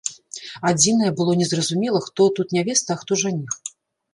Адзінае, было незразумела, хто тут нявеста, а хто жаніх.